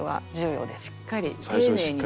しっかり丁寧にですね。